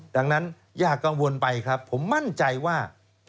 ดังนั้นอย่ากังวลไปครับผมมั่นใจว่า